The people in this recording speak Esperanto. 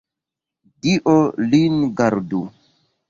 Dio lin gardu!